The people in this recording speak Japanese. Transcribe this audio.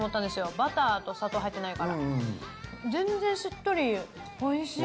バターと砂糖入ってないから全然しっとりおいしい